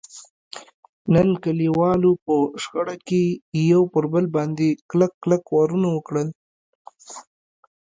نن کلیوالو په شخړه کې یو پر بل باندې کلک کلک وارونه وکړل.